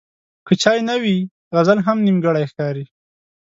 که چای نه وي، غزل هم نیمګړی ښکاري.